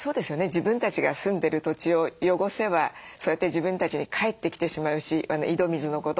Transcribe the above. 自分たちが住んでる土地を汚せばそうやって自分たちに返ってきてしまうし井戸水のこと。